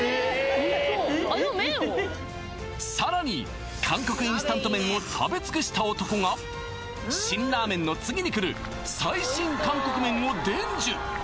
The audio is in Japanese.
さらに韓国インスタント麺を食べ尽くした男が辛ラーメンの次にくる最新韓国麺を伝授